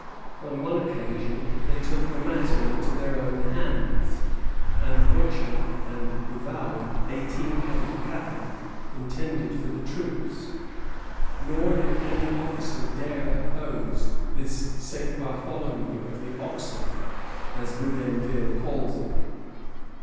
On one occasion they took the matter into their own hands, and butchered and devoured eighteen head of cattle intended for the troops; nor did any officer dare oppose this "St. Bartholomew of the oxen," as Bougainville calls it.